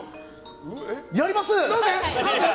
やります！